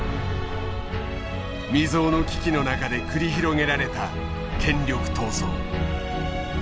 未曽有の危機の中で繰り広げられた権力闘争。